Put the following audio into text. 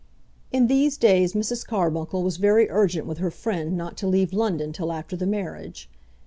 In these days Mrs. Carbuncle was very urgent with her friend not to leave London till after the marriage.